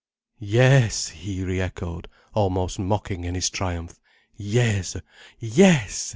"Yes," he re echoed, almost mocking in his triumph. "Yes. Yes!"